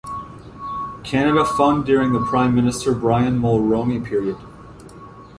Canada Fund during the Prime Minister Brian Mulroney period.